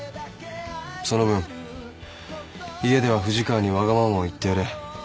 その分家では藤川にわがままを言ってやれ。